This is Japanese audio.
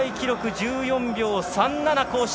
１４秒３７更新。